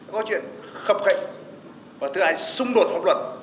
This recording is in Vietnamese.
có chuyện khập khậnh và thứ hai xung đột pháp luật